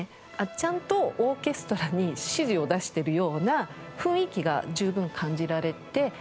ちゃんとオーケストラに指示を出してるような雰囲気が十分感じられて。